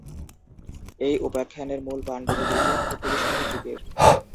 এই উপাখ্যানের মূল পাণ্ডুলিপিটি কুতুব শাহী যুগের।